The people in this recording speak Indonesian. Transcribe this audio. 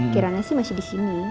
kiranya sih masih disini